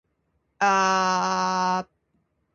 行ってらっしゃい。気をつけてね。